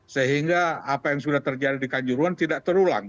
sehingga apa yang sudah terjadi di kanjuruan tidak terulang